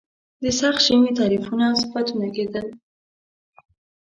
د سخت ژمي تعریفونه او صفتونه کېدل.